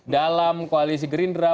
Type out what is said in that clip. dalam koalisi gerindra